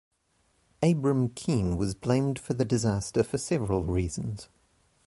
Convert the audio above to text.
Abram Kean was blamed for the disaster for several reasons.